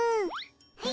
はい。